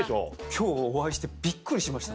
今日お会いしてびっくりしました。